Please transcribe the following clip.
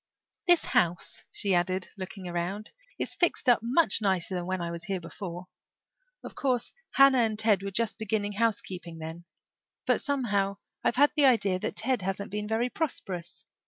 "This house," she added, looking around, "is fixed up much nicer than when I was here before. Of course Hannah and Ted were just beginning housekeeping then. But somehow I've had the idea that Ted hasn't been very prosperous.